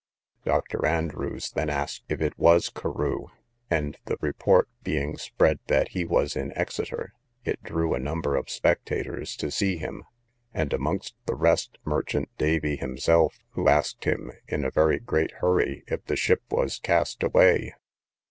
Dr. Andrews then asked if it was Carew; and the report being spread that he was in Exeter, it drew a number of spectators to see him; and amongst the rest merchant Davy himself, who asked him, in a very great hurry, if the ship was cast away.